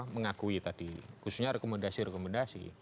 mengakui tadi khususnya rekomendasi rekomendasi